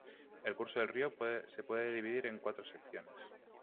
El curso del río se puede dividir en cuatro secciones.